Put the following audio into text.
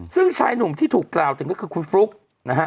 ซึ่งชายหนุ่มที่ถูกกล่าวถึงก็คือคุณฟลุ๊กนะฮะ